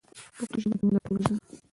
پښتو ژبه زموږ د ټولو ده.